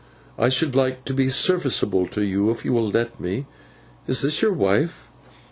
I should like to be serviceable to you, if you will let me. Is this your wife?